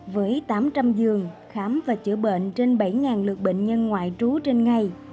với tám trăm linh giường khám và chữa bệnh trên bảy lượt bệnh nhân ngoại trú trên ngày